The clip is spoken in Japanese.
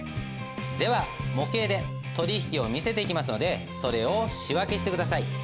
では模型で取引を見せていきますのでそれを仕訳して下さい。